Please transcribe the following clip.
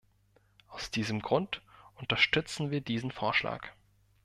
Aus diesem Grund unterstützen wir diesen Vorschlag.